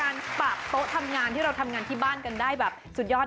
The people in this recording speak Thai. ปรับโต๊ะทำงานที่เราทำงานที่บ้านกันได้แบบสุดยอด